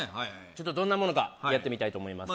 ちょっとどんなものかやってみたいと思います